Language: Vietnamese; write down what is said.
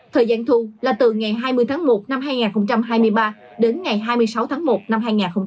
thời gian thu là từ ngày hai mươi tháng một năm hai nghìn hai mươi ba đến ngày hai mươi sáu tháng một năm hai nghìn hai mươi